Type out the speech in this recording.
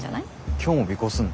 今日も尾行するの？